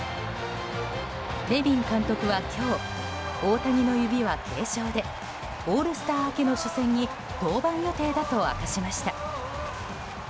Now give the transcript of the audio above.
ネビン監督は今日大谷の指は軽傷でオールスター明けの初戦に登板予定だと明かしました。